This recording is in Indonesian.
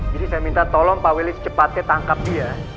jadi saya minta tolong pak willy secepatnya tangkap dia